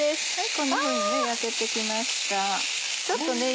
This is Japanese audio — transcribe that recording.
こんなふうに焼けて来ました。